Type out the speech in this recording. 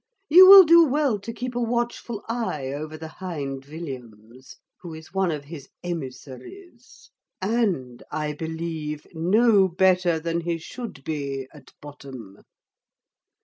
You will do well to keep a watchful eye over the hind Villiams, who is one of his amissories, and, I believe, no better than he should be at bottom.